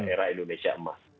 era indonesia emas